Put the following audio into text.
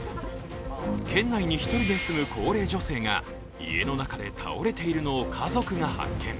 県内に１人で住む高齢女性が家の中で倒れているのを家族が発見。